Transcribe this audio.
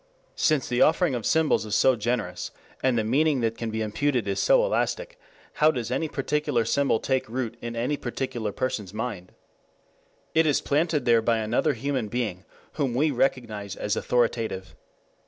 2 Since the offering of symbols is so generous, and the meaning that can be imputed is so elastic, how does any particular symbol take root in any particular person's mind? It is planted there by another human being whom we recognize as authoritative.